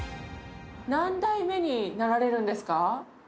何代目になられるんですか？